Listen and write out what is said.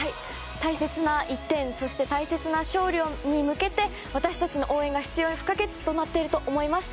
大切な１点そして大切な勝利に向けて私たちの応援が必要不可欠になっていると思います。